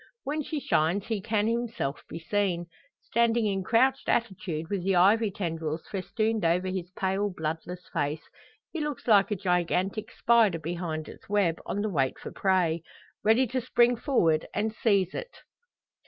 When she shines he can himself be seen. Standing in crouched attitude with the ivy tendrils festooned over his pale, bloodless face, he looks like a gigantic spider behind its web, on the wait for prey ready to spring forward and seize it.